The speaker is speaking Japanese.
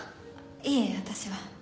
いえ私は。